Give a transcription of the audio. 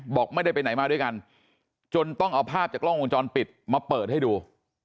บอกไม่ได้ไปไหนมาด้วยกันจนต้องเอาภาพจากกล้องวงจรปิดมาเปิดให้ดู